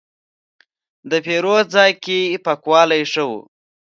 د پیرود ځای کې پاکوالی ښه و.